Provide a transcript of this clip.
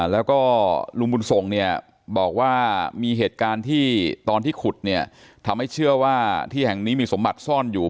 แล้วก็ลุงบุญทรงเนี่ยบอกว่ามีเหตุการณ์ที่ตอนที่ขุดเนี่ยทำให้เชื่อว่าที่แห่งนี้มีสมบัติซ่อนอยู่